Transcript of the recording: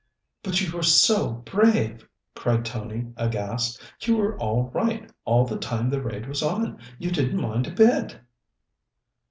"But you were so brave!" cried Tony, aghast. "You were all right all the time the raid was on. You didn't mind a bit!"